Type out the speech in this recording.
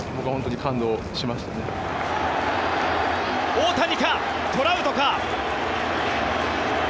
大谷か、トラウトか。